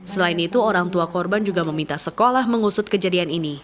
selain itu orang tua korban juga meminta sekolah mengusut kejadian ini